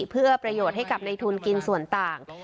เพื่อประโยชน์ให้กับในทุนกินส่วนต่าง